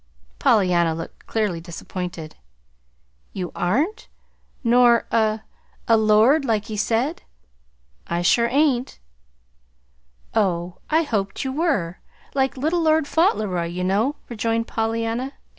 '" Pollyanna looked clearly disappointed. "You aren't? Nor a a lord, like he said?" "I sure ain't." "Oh, I hoped you were like Little Lord Fauntleroy, you know," rejoined Pollyanna.